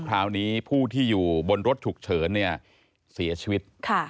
คราวนี้ผู้ที่อยู่บนรถฉุกเฉินเนี่ยเสียชีวิต